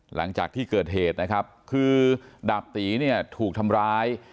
หลังจากที่เกิดเหตุนะครับคือดาบตีเนี่ยถูกทำร้าย